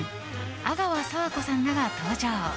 阿川佐和子さんらが登場。